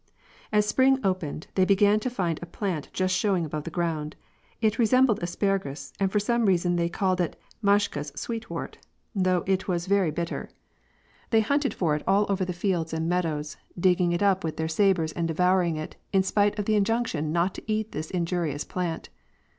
As spring opened, they began to find a plant just showing above the ground ; it resembled asparagus, and for some reason they called it " Mashka's sweetwort," though it was very bit 128 W^AR AND PEACE. ter. They hunted for it all over the fields and meadows, dig ging it up with their sabres and devouring it, in spite of the injunction not to eat this injurious plant.